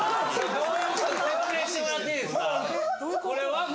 これは。